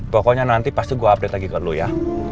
pokoknya nanti pasti gue update lagi ke lo ya